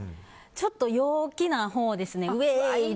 ちょっと陽気なほうですね。